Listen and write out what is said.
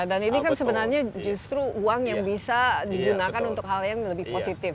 dan ini kan sebenarnya justru uang yang bisa digunakan untuk hal yang lebih positif